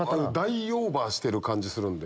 大オーバーしてる感じするんで。